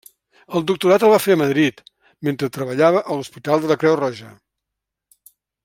El doctorat el va fer a Madrid, mentre treballava a l'Hospital de la Creu Roja.